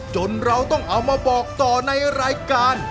จนเราต้องเอามาบอกต่อในรายการ